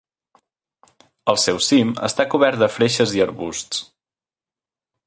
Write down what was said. El seu cim està cobert de freixes i arbusts.